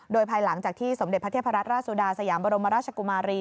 โดยภายหลังจากที่สมเด็จพระเทพรัตนราชสุดาสยามบรมราชกุมารี